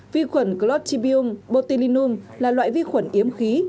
vi khuẩn clotibium botulinum là loại vi khuẩn yếm khí